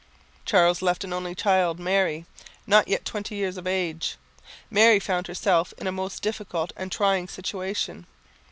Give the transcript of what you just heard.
Charles left an only child, Mary, not yet twenty years of age. Mary found herself in a most difficult and trying situation.